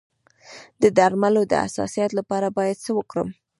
د درملو د حساسیت لپاره باید څه وکړم؟